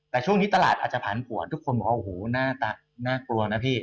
แต่ช่วงนี้ตลาดอาจจะผันผวนทุกคนบอกว่าโอ้โหน่ากลัวนะพี่